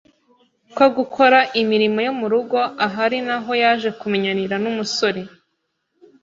ko gukora imirimo yo mu rugo, aha ari naho yaje kumenyanira n’umusore